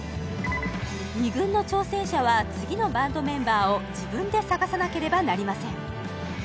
２軍の挑戦者は次のバンドメンバーを自分で探さなければなりません